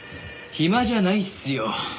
暇じゃないっすよ。